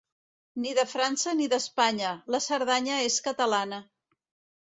Ni de França ni d'Espanya, la Cerdanya és catalana.